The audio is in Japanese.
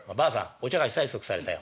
お茶菓子催促されたよ